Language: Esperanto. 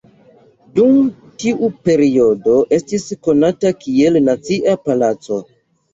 Dum tiu periodo estis konata kiel Nacia Palaco.